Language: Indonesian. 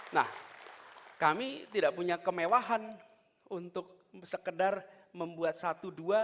nah kami tidak punya kemewahan untuk sekedar membuat satu dua